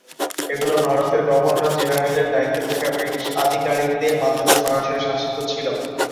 এগুলো ভারতের গভর্নর-জেনারেলের দায়িত্বে থাকা ব্রিটিশ আধিকারিকদের মাধ্যমে সরাসরি শাসিত ছিল।